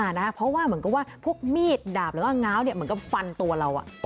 อ่านะคะเพราะว่าเหมือนกันว่าพวกมีดดาบแล้วก็ง้าวเนี่ยเหมือนกับฟันตัวเรา